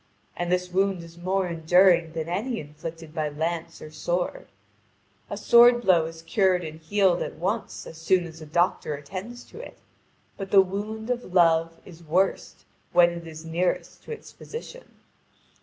And this wound is more enduring than any inflicted by lance or sword. A sword blow is cured and healed at once as soon as a doctor attends to it, but the wound of love is worst when it is nearest to its physician.